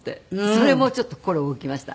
それもちょっと心動きました。